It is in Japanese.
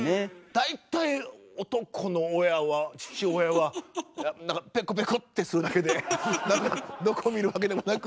大体男の親は父親はなんかペコペコってするだけでなんかどこ見るわけでもなく。